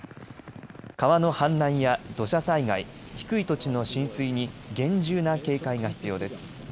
川の氾濫や土砂災害、低い土地の浸水に厳重な警戒が必要です。